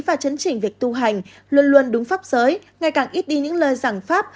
và chấn chỉnh việc tu hành luôn luôn đúng pháp giới ngày càng ít đi những lời giảng pháp